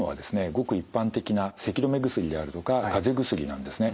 ごく一般的なせき止め薬であるとかかぜ薬なんですね。